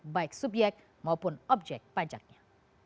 baik subyek maupun objek pajaknya